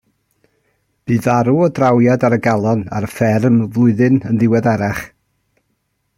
Bu farw o drawiad ar y galon ar y fferm flwyddyn yn ddiweddarach.